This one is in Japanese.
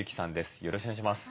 よろしくお願いします。